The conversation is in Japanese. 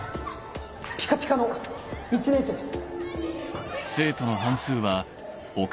ピカピカの１年生です。